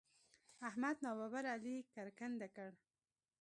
احمد ناببره علي کرکنډه کړ.